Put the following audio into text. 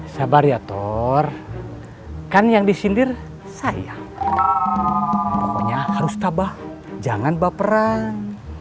sabar ya thor kan yang disindir saya pokoknya harus tabah jangan baperan